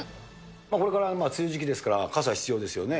これから梅雨時期ですから、傘必要ですよね。